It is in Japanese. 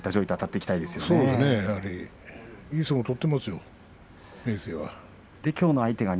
いい相撲を取っていますよ明生は。